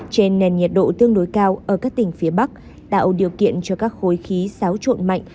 trên nền nhiệt độ tương đối cao ở các tỉnh phía bắc tạo điều kiện cho các khối khí sáo trộn mạnh